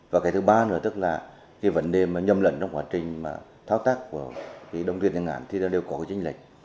và cái thứ ba nữa tức là cái vấn đề mà nhầm lẫn trong quá trình mà thao tác của cái đồng tiền ngân hàng thì nó đều có cái chính lệch